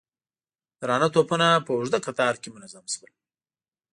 درانه توپونه په اوږده کتار کې منظم شول.